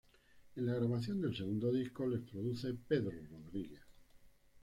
En la grabación del segundo disco les produce Pedro Rodríguez.